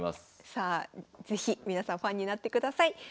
さあ是非皆さんファンになってください。